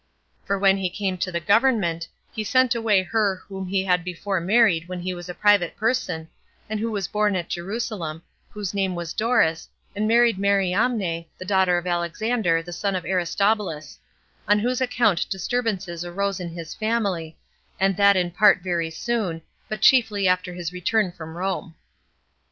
For when he came to the government, he sent away her whom he had before married when he was a private person, and who was born at Jerusalem, whose name was Doris, and married Mariamne, the daughter of Alexander, the son of Aristobulus; on whose account disturbances arose in his family, and that in part very soon, but chiefly after his return from Rome.